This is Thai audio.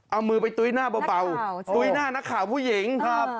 เอามือไปตุ้ยหน้าเบาตุ้ยหน้านักข่าวผู้หญิงครับ